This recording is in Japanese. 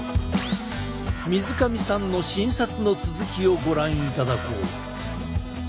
水上さんの診察の続きをご覧いただこう。